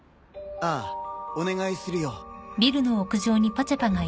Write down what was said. ああお願いするよ。